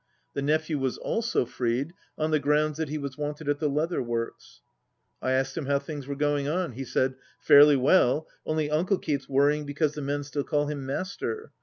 The nephew was also freed, on the grounds that he was wanted at the leather works. I asked him how things were going on. He said, "Fairly well, only uncle keeps worrying be cause the men still call him 'Master.'